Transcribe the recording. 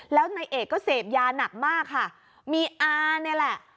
แล้วนายเอกก็เสพยาหนักมากค่ะมีอาเนี่ยแหละ